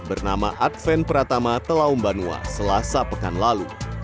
bernama adven pratama telaumbanua selasa pekan lalu